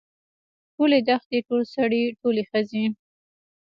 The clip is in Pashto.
ټولې دښتې ټول سړي ټولې ښځې.